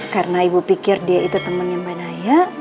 karena ibu pikir dia itu temennya mbak naya